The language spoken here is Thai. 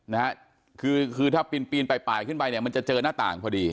นะฮะคือคือถ้าปีนปีนปลายขึ้นไปเนี่ยมันจะเจอหน้าต่างพอดี